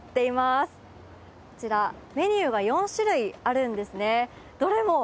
こちらメニューは４種類あるんですね。